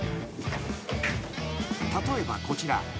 ［例えばこちら］